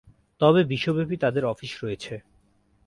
তবে বিশ্বব্যাপী তাদের অফিস রয়েছে।